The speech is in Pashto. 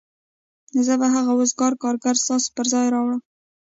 زه به هغه وزګار کارګر ستاسو پر ځای راوړم